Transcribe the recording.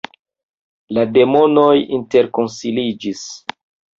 La demonoj interkonsiliĝis.